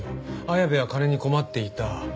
綾部は金に困っていた。